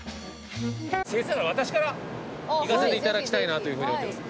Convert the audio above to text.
僭越ながら私からいかせていただきたいなという風に思ってます。